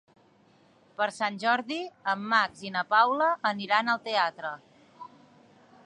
Per Sant Jordi en Max i na Paula aniran al teatre.